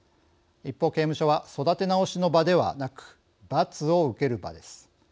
一方刑務所は育て直しの場ではなく罰を受ける場です。